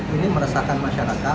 ini meresahkan masyarakat